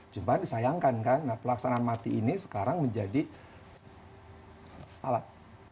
cuma disayangkan kan pelaksanaan mati ini sekarang menjadi alat